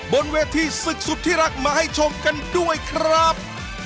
บนเวทีศึกสุดที่รักมาให้ชมกันด้วยครับ